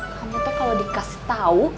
kamu tuh kalo dikasih tau